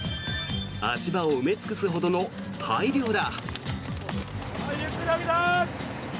足場を埋め尽くすほどの大漁だ。